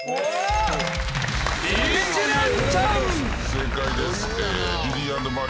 正解です。